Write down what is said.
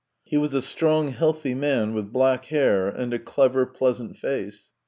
He was a strong, healthy man with black hair and a clever, pleasant face.